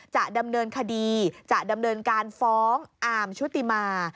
จะดำเนินคดีจะดำเนินการฟ้องอาร์มชุติมา